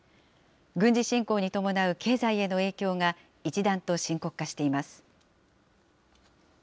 軍事侵攻に伴う経済への影響が一段と深刻化しています。